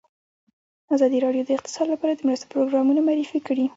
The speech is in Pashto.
ازادي راډیو د اقتصاد لپاره د مرستو پروګرامونه معرفي کړي.